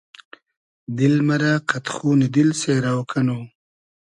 دیل مئرۂ قئد خونی دیل سېرۆ کئنو